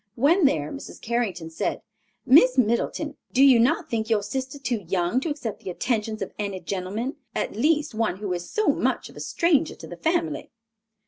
When there, Mrs. Carrington said, "Miss Middleton, do you not think your sister too young to accept the attentions of any gentleman, at least one who is so much of a stranger to the family?"